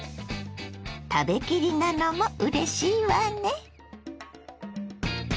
食べきりなのもうれしいわね。